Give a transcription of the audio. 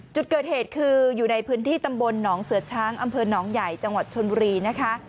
จุดเกิดเหตุคืออยู่ในพื้นที่ตำบลหนองเสือช้างอำเภอหนองใหญ่จังหวัดชนบุรีนะคะ